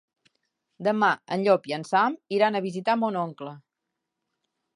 Demà en Llop i en Sam iran a visitar mon oncle.